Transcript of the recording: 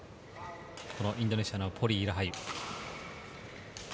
インドネシアのポリイ、ラハユ。